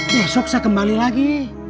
besok saya kembali lagi